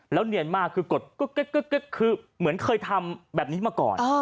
แล้วเนียนมากคือกดกึ๊กคือเหมือนเคยทำแบบนี้มาก่อน